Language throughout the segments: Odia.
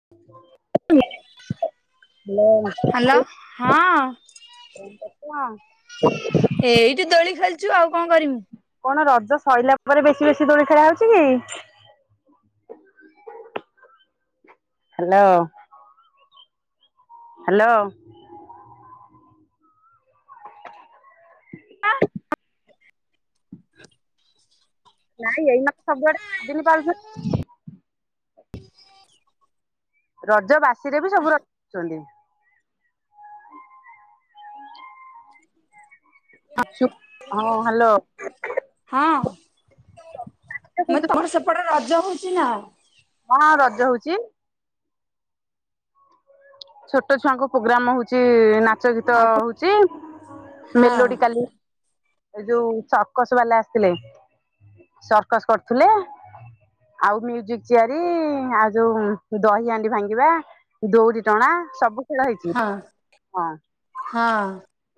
ହାଲୋ। ହାଲୋ ହଁ [unintelligible] ଏଇଠି ଦୋଳି ଖେଳିଛୁ ଆଉ କଣ କରିମୁ? କଣ ରଜ ସଇଲା ପରେ ବେଶୀ ବେଶୀ ଦୋଳି ଖେଲା ହଉଛି କି? ହେଲା ଉ ହ୍ୟାଲୋ। ନାଇଁ ଏଇ ମତେ ସବୁଆଡ଼େ [unintelligible] ରଜ ବାସିରେ ବି ସବୁ ରଖୁଛନ୍ତି। ହଁ [unintelligible] ହ୍ୟାଲୋ ହଁ ମୋର ତମ [unintelligible] ପଟେରେ ରଜ ହୋଉଛିି ନା? ହଁ ରଜ ହଉଛି। ଛୋଟ ଛୁଆଙ୍କ ପୁଗ୍ରାମ ହୋଉଚି ନାଚ ନାଚ ଗୀତ ଆଗୁ ହୋଉଛି ହଁ ମେଲୋଡି କାଲି ଏ ଯୋଉ ସର୍କସ ବାଲା ଆସିଥିଲେ ସର୍କସ କରୁଥିଲେ। ଆଉ ମିଉଜିକ୍ ଚିଆରି ଆଉ ଯୋଉ ଦହି ଆଣ୍ଡି ଭାଙ୍ଗିବା ଦଉଡି ଟଣା ସବୁ ଖେଳ ହେଇଛି ହଁ ହଁ।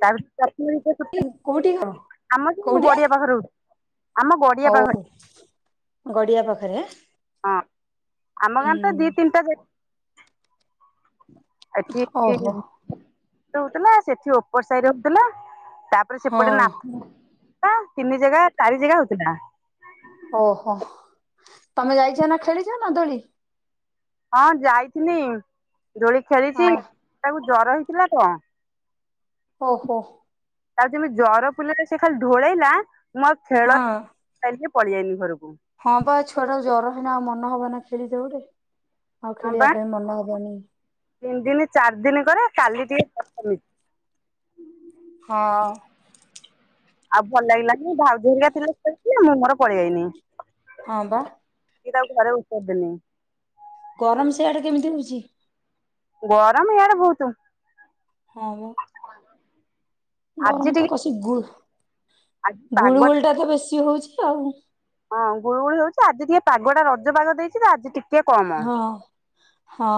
ତାପରେ [unintelligible] କୋଉଠି ଘର ଆମର ଯୋଉ କୋଉଠି ଗଡିଆ ପାଖରେ ହୋଉଛି। ଆମ ଗଡ଼ିଆ ଓହୋ ଗଡିଆ ପାଖରେ ପାଖରେ ହଁ ଆମ ଗାଁରେ ତ ହୁଁ ଦି ତିନିଟା ଜେଗା ଏଠି ଓହୋ ହଉଥିଲା ସେଠି ଉପର ସାଇ ରେ ହଉଥିଲା। ତା ତାପରେ ସେପଟେ ହଁ ନାଥ ତିନି ଜାଗା ଚାରି ଜାଗା ହୋଉଥିଲା। ଓହୋ ତମେ ଯାଇଛ ନା ଖେଳିଛ ନା ଦୋଳି? ହଁ ଯାଇଥିନି। ଦୋଳି ହଁ ଖେଳିଛି ତାକୁ ଜର ହେଇଥିଲା ତ ଓହୋ [unintelligible] ଢ଼ୋଳେଇଲା ମୁଁ ଆଉ ଖେଳ ହଁ ଚାଲିକି ପଳେଇଆଇଲୀ ଘରକୁ। ହଁ ବା ଛୁଆ ଟାକୁ ଜର ହେଲା ଆଉ ମନ ହବ ନା ଖେଳିଦେ ବୋଲି ଆଉ ହଁ ବା ଖେଳିବା ପାଇଁ ମନ ହବନି। ତିନି ଦିନ ଚାରି ଦିନ କରେ କାଲି ଟିକେ କମିଛି। ହଁ। ଆଉ ଭଲ ଲାଗିଲା ନି ଭାଉଜ ହାରିକା ଥିଲେସେଠି ମୁଁ ମୋର ପଳେଇ ଆଇନି। ହଁ ବା କି ତାକୁ ଘରେ ଉତାରିଦେଲେଣି। ଗରମ ସେଆଡ଼େ କେମିତି ହଉଛି? ଗରମ ହିଆଡେ ବୋହୁତୁ। [unintelligible] [unintelligible] ଆଜି ଗରମ ତ ଟିକେ କସିକି ଗୁଳୁ ଆଜି ପାଗ ଗୁଳୁଗୁଳିଟା ତ ବେଶୀ ହୋଉଚି ଆଉ। ହଁ ଗୁଳୁ ଗୁଳି ହଉଛି। ଆଜି ଟିକେ ପାଗଟା ରଜ ପାଗ ଦେଇଛି ଆଜି ଟିକେ କମ ହଁ ହଁ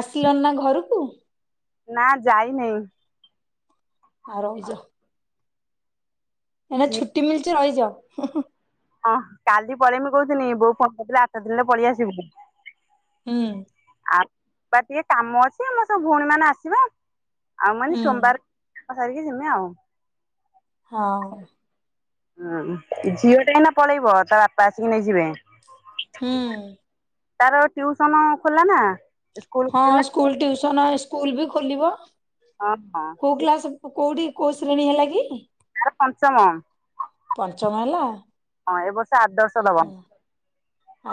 ଆସିଲନି ନା ଘରକୁ? ନା ଯାଇନେଇ। ଆ ରହିଯା ଏଇନା ଝିଅ ଛୁଟି ମିଳିଚି ରହିଯାଅ। ହୁଁ ହୁଁ ହଁ କାଲି ପଳେଇମି କହୁଥିନି ବୋଉ ଫୋନ କରିଥିଲେ ଆଠ ଦିନରେ ପଳେଇ ଆସିବୁ। ହୁଁ। ଆଉ ବା ଟିକେ କାମ ଅଛି। ଆମ ସବୁ ଭଉଣୀ ମାନେ ଆସିବେ ଆଉ ମାନେ ହୁଁ ସୋମବାର [unintelligible] ସାରିକି ଯିମିଁ ଆଉ। ହଁ। ହୁଁ ଝିଅ ଟା ଏଇନା ପଳେଇବ ତା ବାପା ଆସିକି ନେଇଯିବେ। ହୁଁ। ତାର ଟିଉସନ ଖୋଲା ନା। ସ୍କୁଲ ହଁ ଖୋଲିଲା ସ୍କୁଲଟିଉସନ ସ୍କୁଲ ବି ଖୋଲିବ ହଁ ହଁ କୋଉ ସିଏ କ୍ଲାସ? କୋଉଠି କୋଉ ଶ୍ରେଣୀ ହେଲା କି? ତାର ପଞ୍ଚମ ପଞ୍ଚମ ହେଲା ହଁ ଏ ବର୍ଷ ଆଦର୍ଶ ଦବ। ହଁ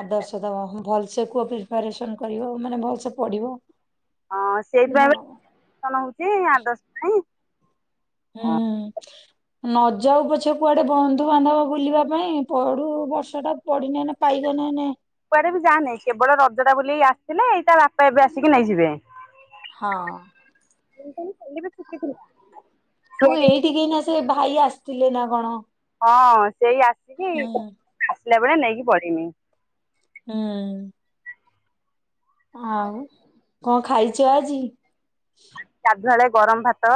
ଆଦର୍ଶ ଦବ ଭଲସେ କୁହ ପ୍ରିପାରେସନ୍ କରିବ ମାନେ ଭଲସେ ପଢ଼ିବ। ହଁ ସେଇଥିପାଇଁ ପରା ଟିଉସନ୍ ହୋଉଚି ଆଦର୍ଶ ପାଇଁ।। ହୁଁ ନ ଯାଉ ପଛେ କୁଆଡେ ବନ୍ଧୁବାନ୍ଧବ ବୁଲିବା ପାଇଁ ପାଢୁ ଏବର୍ଷ ଟା ପଢିନେ ନେ ପାଇବ ନେ ନେ। କୁଆଡେ ବି ଯାଏ ନାଇଁ କେବଳ ରଜଟା ବୋଲି ଆସିଥିଲେ ଏଇ ତା ବାପା ଏବେ ଆସିକି ନେଇଯିବେ। ହଁ। ମୁଁ କହିଲି କାଲି ବି ଛୁଟି ଥିଲା। ମୁଁ ଏଇଠି କି ନା ସେ ଭାଇ ଆସିଥିଲେ ନା କଣ। ହଁ ସେଇ ଆସିକି ହୁଁ ଆସିଲା ବେଳେ ନେଇକି ପଢମି। ହୁଁ। ଆଉ କଣ ଖାଇଛ ଆଜି? ଗାଧୁଆଳେ ଗରମ ଭାତ,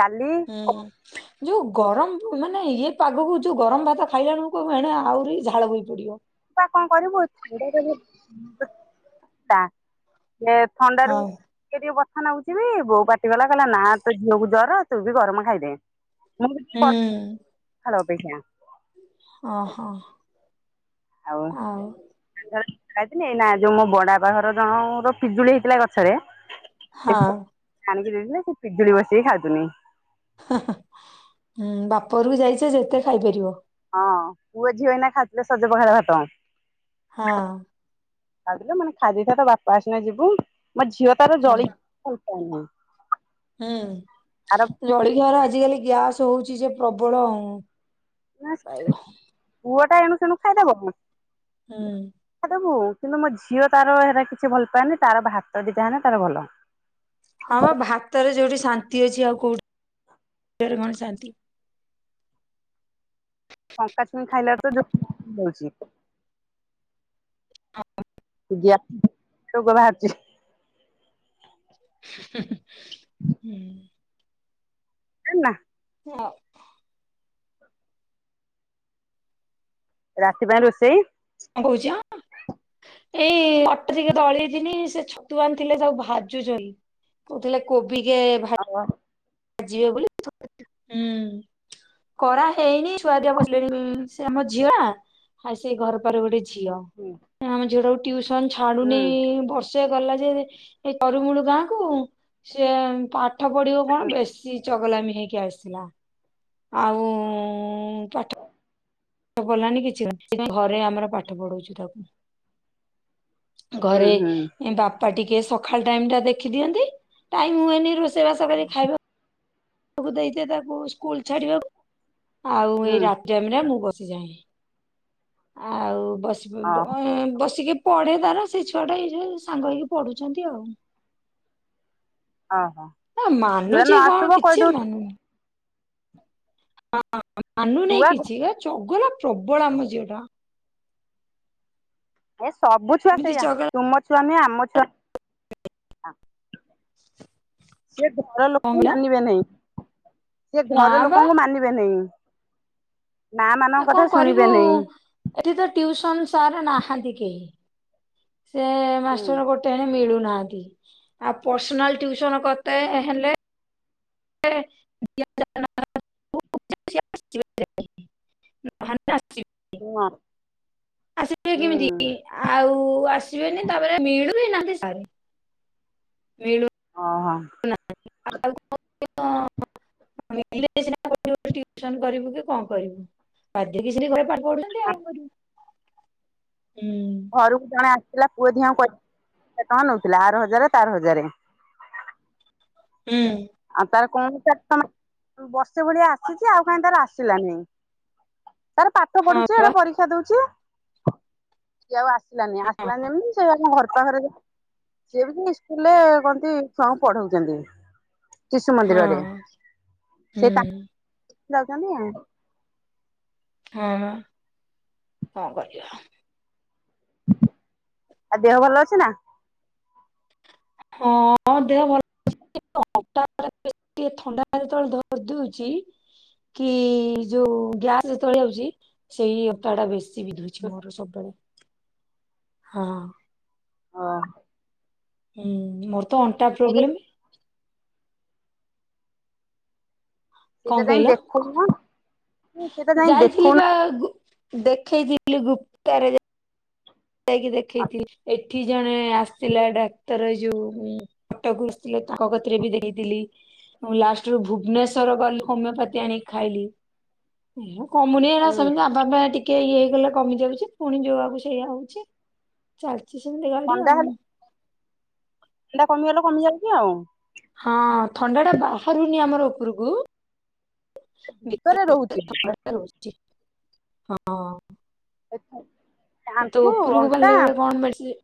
ଡାଲି ହୁଁ, ଯୋଉ ଗରମ ମାନେ ଇଏ ପାଗକୁ ଯୋଉ ଗରମ ଭାତ ଖାଇଲାବେଳକୁ ଏଣେ ଆହୁରି ଝାଳ ବୋହି ପଡିବ। ତୁବା କଣ କରିବୁ ଏ ଥଣ୍ଡାରୁ ହଉ ଟିକେ ଟିକେ ବଥା ନେଉଥିବି ବୋଉ ପାଟି କଲା କହିଲା ନାଁ ତୋ ଝିଅକୁ ଜର ତୁ ବି ଗରମ ଖାଇଦେ। କହୁଚି ବ ହୁଁ। ହ୍ୟାଲୋ ଅପେକ୍ଷା। ଓ ହୋ। ଆଉ ଯାଇଥିଲି ନା ଯୋଉ ମୋ ବଡ ବାପା ଘର ଜଣର ପିଜୁଳି ହେଇଥିଲା ଗଛରେ ସେ ହଁ ଆଣିକି ଦେଇଥିଲେ ସେ ପିଜୁଳି ବସିକି ଖାଉଥିନି। ହଁ ବାପ ଘର କୁ ଯାଇଛ ଯେତେ ଖାଇପାରିବ। ହଁ ପୁଅ ଝିଅ ଏଇନା ଖାଉଥିଲେ ସଜ ପଖାଳ ଭାତ। ହଁ। ଖାଉଥିଲେ ମାନେ ଖାଇଦେଇଥା ତୋ ବାପା ଆସିନା ଯିବୁ ମୋ ଝିଅ ତାର ହୁଁ ଜଳି ଖାଇସାରିନେ ହୁଁ ଜଳଖିଆ ଗୁରା ଆଜିିକାଲି ଗ୍ୟାସ ହଉଛି ଯେ ପ୍ରବଳ। ପାଇବ। ପୁଆଟା ଏଣୁ ତେଣୁ ଖାଇ ଦବ, ହୁଁ। ତା ଦବୁ କିନ୍ତୁ ମୋ ଝିଅ ତାର ହେରା କିଛି ଭଲ ପାଏନି ତାର ଭାତ ଦିଟା ହେଲେ ତାର ଭଲ। ହଁ ବା ଭାତରେ ଯୋଉଠି ଶାନ୍ତି ଅଛି ଆଉ କୋଉଠିରେ କଣ ଶାନ୍ତି। ଶଙ୍କା ଛୁଇଁ ଖାଇଲାର ଯେଉ ତଛି। ଗ୍ୟାସ ରୋଗ ବାହାରୁଛି। ହୁଁ। ହେ ନା। ହଁ। ରାତି ପାଇଁ ରୋଷେଇ? କଣ କହୁଚ? ଏଇ ଅଟା ଟିକେ ଦଳି ଥିନି ସେ ଛତୁଆ ଆଣିଥିଲେ ତାକୁ ଭାଜୁଛନ୍ତି। କହୁଥିଲା କୋବିି କେ ଭାଜ ଅଁଅ ଯିବେ ବୋଲି ହୁଁ କରା ହେଇନି ଛୁଆଦିଆ ବସିଲେଣି ସେ ଆମ ଝିଅ ନା ଆଉ ସେ ଘର ପରେ ଗୋଟେ ଝିଅ, ହୁଁ ଆମ ଝିଅଟାକୁ ଟିଉସନ ଛାଡୁନି ହୁଁ ବ ସେ ଗଲା ଯେ ଏ [unintelligible] ଗାଁକୁ ସିଏ ପାଠ ପଢିବ କଣ ବେଶ ଚଗଲାମି ହେଇକି ଆସିଥିଲା। ଆଉ ପାଠ ପାଠ ପଢିଲାନି କିଛି ନାହିଁ। ସେଥିପାଇଁ ଘରେ ଆମର ପାଠ ପଢଉଛୁ ତାକୁ। ହୁଁ ଘରେ ହୁଁ ବାପା ବାପା ଟିକେ ସକାଳ ଟାଇମଟା ଦେଖି ଦିଅନ୍ତି ଟାଇମ୍ ହୁଏନି ରୋଷେଇବାସ କରି ଖାଇବା ତାକୁ ଦେଇଦିଏ ତାକୁ ସ୍କୁଲ ଛାଡିବାକୁ। ଆଉ ହୁଁ। ଏଇ ରାତି ଟାଇମରେ ମୁଁ ବସିଯାଏ। ଆଉ ବସ ଓହୋ ବସିକି ପଢ଼େ ତାର ସେ ଛୁଆଟା ଏଇ ଯୋଉ ସାଙ୍ଗ ହେଇକି ପଢୁଛନ୍ତି ଆଉ। ହଁ ହଁ। ନା ମାନୁଛି କଣ କିଛି ମାନୁନି। ହଁ ମାନୁ ନାହିଁ ଛୁଆ କିଛି ଗ ଚଗଲା ପ୍ରବଳ ଆମ ଝିଅ ଟା। ଏ ସବୁ ଛୁଆ ଏମିତି ସେଇଆ ଚଗଲା ତୁମ ଛୁଆ ନୁହେଁ ଆମ ଛୁଆ ସିଏ ଘର କଣ ଲୋକଙ୍କୁ କହିଲ? ମାନିବେ ନାହିଁ। ସେଏ ନା ଘର ବା ଲୋକଙ୍କୁ ମାନିବେ ନାହିଁ। ମା ଆଉ ମାନଙ୍କ କଣ କଥା କରିବୁ ଶୁଣିବେ ନାହିଁ। ଏଠି ତ ଟିଉସନ ସାର୍ ନାହାନ୍ତି କେହି। ସେ ହୁଁ ମାଷ୍ଟର ଗୋଟେ ତେଣେ ମିଳୁନାହାନ୍ତି। ଆଉ ପର୍ସନାଲ ଟୁଉସନ କତେ ହେଲେ [inaudible] [inaudible] ହଁ ଆସ ଯିବେ ହୁଁ କେମିତି ଆଉ ଆସିବେନି ତାପରେ ମିଳୁି ନାହାନ୍ତି ସାର। ମିଳୁ ଓହୋ। [inaudible] କରିବୁ ଟିଉସନ କି କଣ କରିବୁ [inaudible] [inaudible] ହୁଁ। ଘରକୁ ଜଣେ ଆସିଥିଲା ପୁଅ ଦିଅଁଙ୍କୁ [inaudible] ଆର ହଜାରେ ତାର ହଜାରେ। ହୁଁ। ଆଉ ତାର କଣ [inaudible] ବର୍ଷେ ଭଳିଆ ଆସିଛି ଆଉ କାହିଁ ତାର ଆସିଲାନି। ତାର ପାଠ ହଁ ପଢୁଛି ବା ଏଟା ପରୀକ୍ଷା ଦଉଛି। [inaudible] ଆସିଲାନି ଆସିଲାନି ଯେମିତି ସେ ଆମ ଘର ପାଖରେ [inaudible] ସିଏ ବି ସ୍କୁଲରେ କହନ୍ତି ଛୁଆଙ୍କୁ ପଢଉଛନ୍ତି। ଶିଶୁ ହଁ ମନ୍ଦିରରେ ହଁ ହୁଁ ସେ [inaudible] ଯାଉଛନ୍ତି ଆଉ। ହଁ ବା କଣ କରିବା। ଆଉ ଦେହ ଭଲ ଅଛି ନା। ହଁ ଦେହ ଭଲ [inaudible] ଥଣ୍ଡା ଯେତେବେଳେ ଧରି ଦଉଛି। କି ଯୋଉ ଗ୍ୟାସ ଯେତବେଳେ ହଉଛି। ସେଇ ଅଣ୍ଟାଟା ବେଶୀ [inaudible] ମୋର ସବୁବେଳେ ହଁ। ହଁ। ହୁଁ ମୋର ତ ଅଣ୍ଟା ପ୍ରୋବ୍ଲେମ୍। ସେଇଟା କଣ ଯାଇ କହିଲ ଦେଖଉନ ସେଟା ଯାଇ ଯାଇଥିଲି ଦେଖଉନ। ବା ଗୁ- ଦେଖେଇଥିଲି [inaudible] ଯାଇକି ଦେଖେଇଥିଲି ଏଠି ଜଣେ ଆସିଥିଲା ଡାକ୍ତର ଯୋଉ କଟକକୁ ଆସିଥିଲେ ତାଙ୍କ କତିରେ ବି [unintelligible] ମୁଁ ଲାଷ୍ଟରୁୁ ଭୁବନେଶ୍ଵର ଗଲି ହୋମିଓପାଥି ଆଣିକି ଖାଇଲି। କମୁନି ହେଲା ହୁଁ ସେମିତି ଆବା ଟିକେ ଇଏ ହେଇଗଲେ କମିଯାଉଛି ପୁଣି ଯୋଉକୁ ସେଇଆ ଆଉ କି ଚାଲିଚି ସେମିତି ଗାଡ଼ି ଆଉ। ଏଟା କମିଗଲେ କମିଯାଉଚି ଆଉ। ହଁ ଥଣ୍ଡାଟା ବାହାରୁନି ଆମର ଉପରକୁ। ଭିତରେ ଭତରେ ରହୁଛି ଥଣ୍ଡାଟା ରହୁଛି। ହଁ। କାଶ ତୋ ଉପରକୁ ଗଲାବେଳେ କଣ ମେଡ଼ିସିନ୍।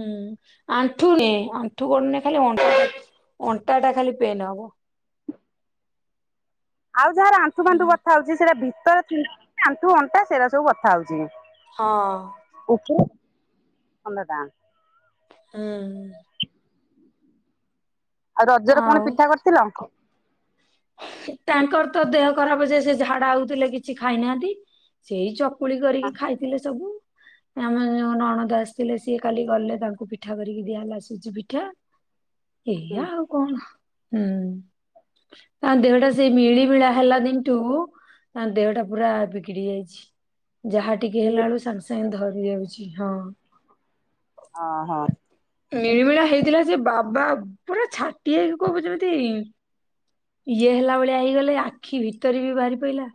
ହୁଁ ଆଣ୍ଠୁ ନୁହେଁ ଆଣ୍ଠୁ ଗୋଡ଼ ନୁହେଁ ଖାଲି ଅଣ୍ଟାଟା ହଉଛି। ଅଣ୍ଟାଟା ଖାଲି ପେନ୍ ହବ। ଆଉ ଯାହାର ଆଣ୍ଠୁ ହଁ ଫଣ୍ଠୁ ବଥା ହଉଛି। ସେଟା ଭିତରେ ଥିନେ ଆଣ୍ଠୁ ଅଣ୍ଟା ସେଇଟା ସବୁ ବଥା ହଉଛି। ହଁ ଓକେ ଖଣ୍ଡଟା। ହୁଁ ଆଉ ରଜରେ କଣ ଆଉ ପିଠା କରିଥିଲ? ତାଙ୍କର ତ ଦେହ ଖରାପ ଯେ ସେ ଝାଡା ହଉଥିଲେ କିଛି ଖାଇନାହାନ୍ତି। ସେଇ ଚ ପୁଳି କରିକି ଖାଇଥିଲେ ସବୁ। ଆମ ଯୋଉ ନଣନ୍ଦ ଆସିଥିଲେ ସିଏ କାଲି ଗଲେ। ତାଙ୍କୁ ପିଠା କରିକି ଦିଆହେଲା ସୁଜି ପିଠା। ୍ୱ ଏଇଆ ଆଉ କଣ? ହୁଁ। ତାଙ୍କ ଦେହଟା ସେଇ ମିଳିମିଳା ହେଲା ଦିନଠୁ ତାଙ୍କ ଦେହଟା ପୁରା ବିଗିଡି ଯାଇଛି। ଯାହା ଟିକେ ଓହୋ ହେଲା ବେଳୁ ସାଙ୍ଗେ ସାଙ୍ଗେ ଧରି ଯାଉଛି। ହଁ। ଅଁ ହଁ ମିଳିମିଳା ହେଇଥିଲା ସେ ବାବା ପୁରା ଛାଟି ହେଇକି କହିବୁ ଯେମିତି ଇଏ ହେଲା ଭଳିଆ ହେଇଗଲେ ଆଖି ଭିତରେ ବି ବାହାରି ପଇଲା।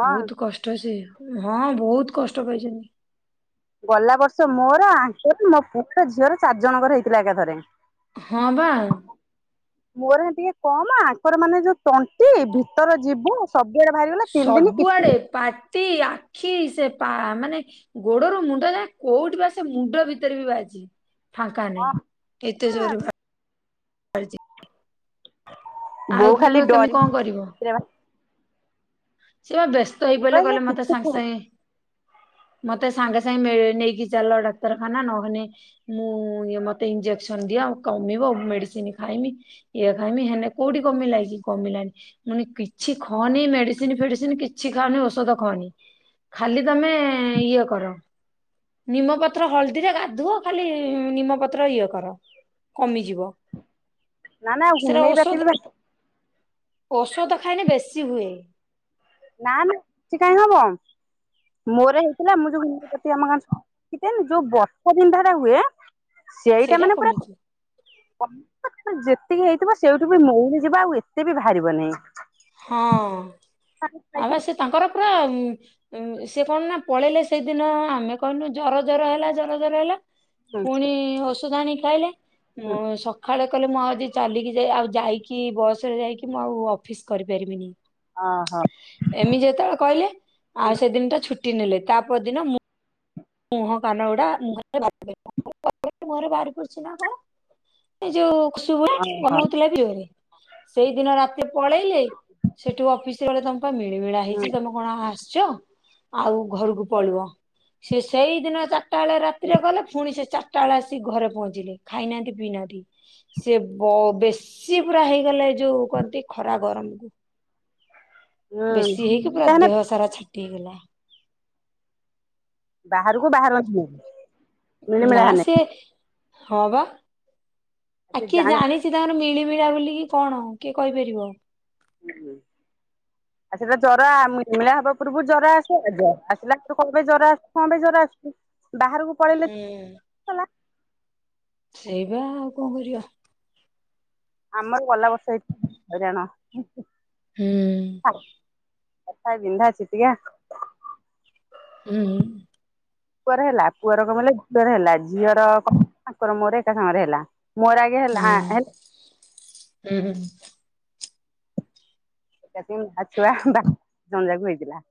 ହଁ ବହୁତ କଷ୍ଟ ସେ। ହଁ ବହୁତ କଷ୍ଟ ପାଇଚନ୍ତି। ଗଲା ବର୍ଷ ମୋର ଆଙ୍କର ମୋ ପୁଅର ଝିଅର ଚାରି ଜଣଙ୍କର ହେଇଥିଲା ଏକାଥରେ। ହଁ ବା ମୋର ହେନେ ଟିକେ କମ୍ ଆଙ୍କର ମାନେ ଯୋଉ ତଣ୍ଟି ଭିତର ଜିଭ ସବୁ ଆଡ଼େ ବାହାରିଗଲା ତିନି ଦିନି ସବୁଆଡେ କିଛି ପାଟି ଆଖି ସେ ପା ମାନେ ଗୋଡ଼ରୁ ମୁଣ୍ଡ ଯାଏଁ କୋଉଠି ବା ସେ ମୁଣ୍ଡ ଭିତରେ ବି ବାହାରିଚି। ଫାଙ୍କା ନାହିଁ ହଁ କେତେ ଜୋରେ ବାହାରିଚି। ବୋଉ ଆଉ ଖାଲି ତୁମେ ଡରି କେମିତି ମୁଁ କଣ କରିବ? ସିଏ ପା ବ୍ୟସ୍ତ ହେଇ ବା ପଇଲେ ସେ କହିଲେ ମତେ ସାଙ୍ଗେ କିଛି ସାଙ୍ଗେ ମତେ ସାଙ୍ଗେ ସାଙ୍ଗେ ମେ ନେଇକି ଚାଲ ଡାକ୍ତରଖାନା ନହେଲେ ମୁଁ ଇଏ ମତେ ଇଂଜେକସନ ଦିଅ କମିବ ମେଡ଼ିସିନ୍ ଖାଇମି। ଇଏ ଖାଇମି ହେଲେ କୋଉଠି କମିଲା କି କମିଲାନି ମୁୁଁ କହିନି କିଛି ଖଅନି ମେଡିସି ମେଡ଼ିସିନ୍ ଫେଡିସିନ୍ କିଛି ଖାଅନି ଔଷଧ ଖଉନି ଖାଲି ତମେ ଇଏ କର। ନିମପତ୍ର ହଳଦୀରେ ଗାଧୁଅ ଖାଲି ନିମପତ୍ର ଇଏ କର। କମିଯିବ। ନା ନା ସେରା ହୋମିଓପାଥି ଔଷଧ ବି ଔଷଧ ଖାଇନେ ବେଶୀ ହୁଏ। ନାଁ ନାଁ ବେଶୀ କହିଁ ହବ। ମୋର ହେଇଥିଲା ମୁଁ ଯୋଉ ହୋମିଓପାଥି ଆମ [unintelligible] ଯୋଉ ବଥା ବିନ୍ଧାଟା ହୁଏ। ସେଇଟା ମାନେ ପୁରା ଯେତିକି ହେଇଥିବ ସେଇଠୁ ବି ମଉଳି ଯିବା ଆଉ ଏତେ ବି ବାହାରିବ ନାହିଁ। ହଁ ଆମେ ସେ ତାଙ୍କର ପୁରା ଉଁ ସିଏ କଣ ନା ପଳେଇଲେ ସେଇଦିନ ଆମେ କହିନୁ ଜର ଜର ହେଲା ଜର ଜର ହେଲା ଫୁଣି ଓଷଧ ଆଣିକି ଖାଇଲେ ମୁଁ ସ ଖାଳେ କହିଲେ ମୁଁ ଆଜି ଚାଲିକି ଯାଇ ଆଉ ଯାଇକି ବସରେ ଯାଇକି ମୁଁ ଆଉ ଅଫିସ କରିପାରିମିନି। ଅ ହ। ଏମିତି ଯେତେବେଳେ କହିଲେ ଆଉ ସେଇଦିନଟା ଛୁଟି ନେଲେ ତା ପରଦିନ ମୁଁ ମୁହଁ କାନ ଗୁଡା ମୁହଁରେ [unintelligible] ମୁହଁରେ ବାହାରି ପଡିଛି ନା କଣ। ଏଇ ଯୋଉ ଖୁସୁଭୁଆ ଓହୋ। ଗମ ହଉଥିଲା [unintelligible] ସେଇ ଦିନ ରାତି ପଳେଇଲେ ସେଠୁ ଅଫିସି ଘରେ ତାଙ୍କୁ ତ ମିଳିମିଳା ହୁଁ ହେଇଚି ତମେ କଁ ଆ ଆସିଚ ଆଉ ଘରୁକୁ ପଳିବ। ସିଏ ସେଇଦିନ ଚାରିଟାବେଳେ ରାତିରେ ଗଲେ ଫୁଣି ସିଏ ଚାର୍ ଟାଳେ ଆସିିକି ଘରେ ପହଞ୍ଚିଲେ ଖାଇନାହାନ୍ତି ପିଇନାହାନ୍ତି। ସିଏ ବ ବେଶୀ ପୁରା ହେଇଗଲେ ଏ ଯୋଉ କହନ୍ତି ଖରା ଗରମକୁ। ବେଶୀ ହେଇକି ପୁରା ହୁଁ ଦେହ ସାରା ଛାଟି ହେଇଗଲା। ବାହାରୁକୁ ବାହାରନ୍ତି ନାହିଁ। ନା ସିଏ ହଁ ବା ଆଉ କିଏ ଜାଣି ଛି ତାଙ୍କର ମିଳିମିଳା ବୋଲି କି କଣ କିଏ କହିପାରିବ। [unintelligible] ଆଉ ସେଇଟା ଜର ଆ ମିଳିମିଳା ହବା ପୂର୍ବରୁ ଜର ଆସେ ଏ ଜ ଆସିଲାଠୁରୁ କହିଲେ ଜର ଆସୁ କଁ ପାଇଁ ଜର ଆସୁ [unintelligible] ବାହାରୁକୁ ହୁଁ। ସେଇ ବା ଆଉ କଁ କରିବା। ଆମର ଗଲା ବର୍ଷ ହେ [inaudible] ହଇରାଣ। ହୁଁ। [unintelligible] କଟା ବିନ୍ଧା ଛିଟିକା ଉଁ ହୁଁ। ପୁଅର ହେଲା ପୁଅର କମିଗଲେ ଝିଅର ହେଲା ଝିଅର କମ୍ ତାଙ୍କର ମୋର ଏକା ସାଙ୍ଗେରେ ହେଲା। ମୋର ଆଗେ ହେଲା ହାଁ ହେଲ୍ ହୁଁ ହୁଁ। ଏକା [unintelligible] ମା ଛୁଆ ବା ଜଣ ଯାକୁ ହେଇଥିଲା।